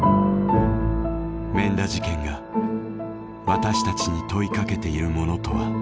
免田事件が私たちに問いかけているものとは。